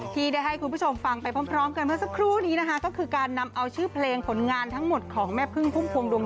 คิดถึงเธอพุ่มพวง